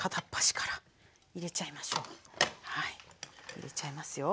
入れちゃいますよ